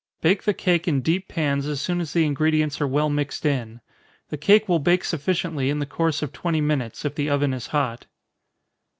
Bake the cake in deep pans as soon as the ingredients are well mixed in. The cake will bake sufficiently in the course of twenty minutes, if the oven is hot.